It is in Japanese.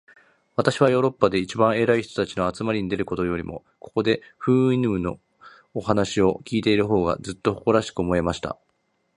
私はヨーロッパで一番偉い人たちの集まりに出るよりも、ここで、フウイヌムの話を開いている方が、ずっと誇らしく思えました。